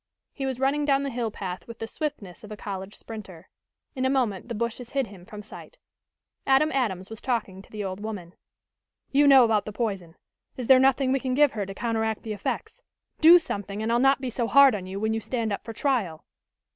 He was running down the hill path with the swiftness of a college sprinter. In a moment the bushes hid him from sight. Adam Adams was talking to the old woman. "You know about the poison. Is there nothing we can give her to counteract the effects? Do something, and I'll not be so hard on you when you stand up for trial."